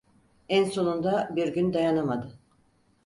En sonunda bir gün dayanamadı...